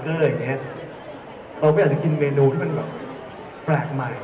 เค้าก็ไม่น่าจะกินเมนูเตือนแบบแปลกใหม่